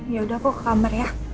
yaudah aku ke kamar ya